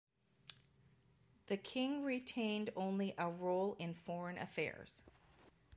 The King retained only a role in foreign affairs.